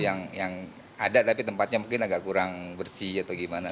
yang ada tapi tempatnya mungkin agak kurang bersih atau gimana